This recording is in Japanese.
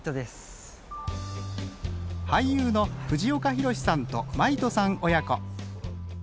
俳優の藤岡弘、さんと真威人さん親子。